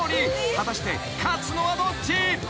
［果たして勝つのはどっち？］